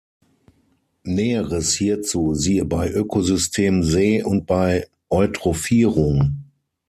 Näheres hierzu siehe bei Ökosystem See und bei Eutrophierung.